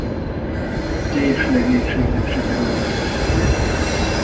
A teljes legénységnek sikerült megmenekülnie.